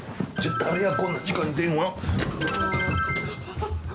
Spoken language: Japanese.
誰や、こんな時間に電話。